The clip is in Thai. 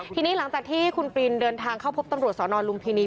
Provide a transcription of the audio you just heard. ทีนี้หลังจากที่คุณปรินเดินทางเข้าพบตำรวจสอนอนลุมพินี